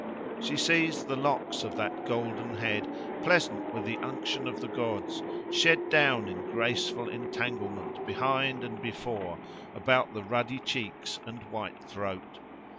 She sees the locks of that golden head, pleasant with the unction of the gods, shed down in graceful entanglement behind and before, about the ruddy cheeks and white throat.